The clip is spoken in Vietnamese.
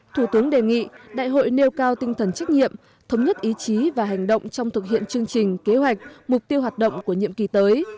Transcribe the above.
thủ tướng đề nghị đại hội nêu cao tinh thần trách nhiệm thống nhất ý chí và hành động trong thực hiện chương trình kế hoạch mục tiêu hoạt động của nhiệm kỳ tới